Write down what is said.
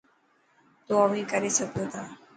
تو اوهين ڪري سگهو تا.